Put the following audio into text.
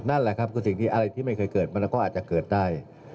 นั่นแหละครับคือสิ่งที่อะไรที่ไม่เคยเกิดมันก็อาจจะเกิดได้